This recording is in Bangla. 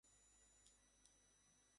কৃষ্ণা কুমার এসব করছে?